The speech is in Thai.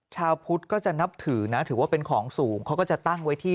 ชาวพุทธก็จะนับถือนะถือว่าเป็นของสูงเขาก็จะตั้งไว้ที่